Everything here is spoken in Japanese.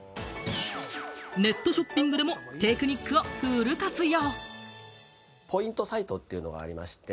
ネットショッピングでもテクニックをフル活用。